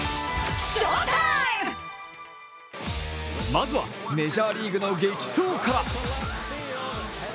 まずはメジャーリーグの激走から。